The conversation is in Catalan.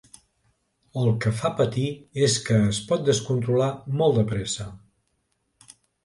El que fa patir és que es pot descontrolar molt de pressa.